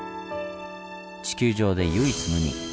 地球上で唯一無二。